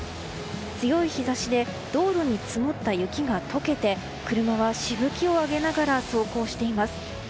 強い日差しで道路に積もった雪が解けて車はしぶきを上げながら走行しています。